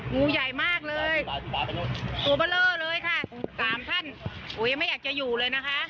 งูใหญ่มากเลยงูเบอร์เลอร์เลยค่ะสามท่านโอ้ยังไม่อยากจะอยู่เลยนะคะ